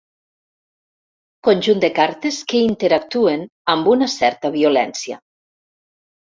Conjunt de cartes que interactuen amb una certa violència.